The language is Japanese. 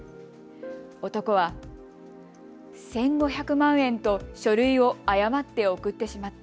男は１５００万円と書類を誤って送ってしまった。